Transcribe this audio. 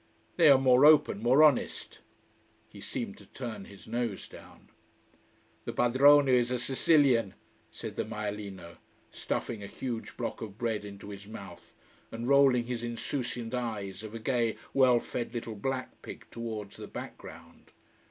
"They are more open more honest." He seemed to turn his nose down. "The padrone is a Sicilian," said the maialino, stuffing a huge block of bread into his mouth, and rolling his insouciant eyes of a gay, well fed little black pig towards the background.